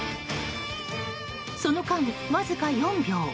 その間、わずか４秒。